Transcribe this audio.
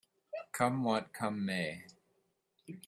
Come what come may